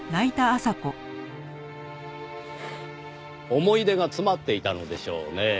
思い出が詰まっていたのでしょうねぇ。